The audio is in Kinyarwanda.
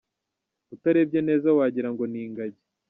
Utarebye neza wagira ngo ni ingagi.